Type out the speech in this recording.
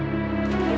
ayo kita mulai berjalan